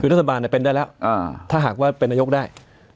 คือรัฐบาลเป็นได้แล้วถ้าหากว่าเป็นนายกได้